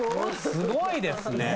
すごいですね。